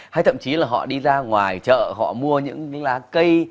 hay thậm chí là họ đi ra ngoài chợ họ mua những lá cây